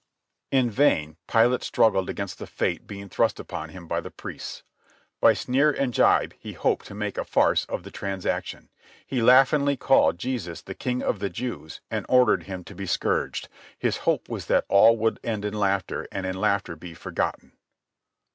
In vain Pilate struggled against the fate being thrust upon him by the priests. By sneer and jibe he hoped to make a farce of the transaction. He laughingly called Jesus the King of the Jews and ordered him to be scourged. His hope was that all would end in laughter and in laughter be forgotten.